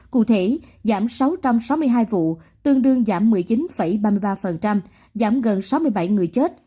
cụ thể giảm sáu trăm sáu mươi hai vụ tương đương giảm một mươi chín ba mươi ba giảm gần sáu mươi bảy người chết